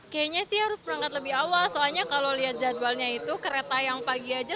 kayaknya sih harus berangkat lebih awal soalnya kalau lihat jadwalnya itu kereta yang pagi aja